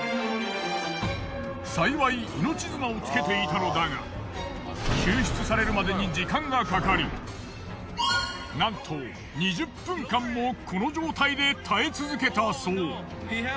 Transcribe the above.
幸い命綱をつけていたのだが救出されるまでに時間がかかりなんと２０分間もこの状態で耐え続けたそう。